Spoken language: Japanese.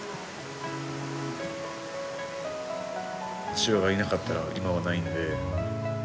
父親がいなかったら今はないんで。